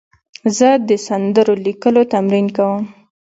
زه د سندرو لیکلو تمرین کوم.